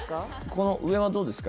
この上はどうですか？